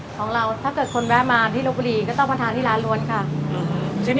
ถ้าคนแวะมาที่ลบบุรีต้องมาทานที่ร้านล้วนครับ